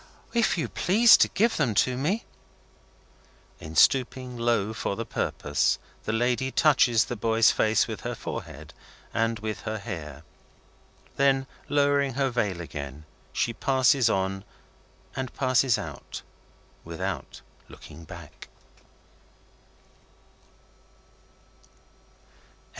"If you please to give them to me." In stooping low for the purpose, the lady touches the boy's face with her forehead and with her hair. Then, lowering her veil again, she passes on, and passes out without looking back.